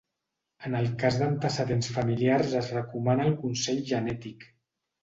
En el cas d'antecedents familiars es recomana el consell genètic.